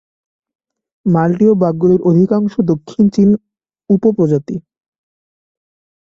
মাল্টীয় বাঘগুলির অধিকাংশই দক্ষিণ চীনা উপপ্রজাতি।